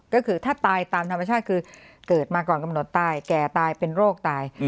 ก็คือถ้าตายตามธรรมชาติคือเกิดมาก่อนกำหนดตายแก่ตายเป็นโรคตาย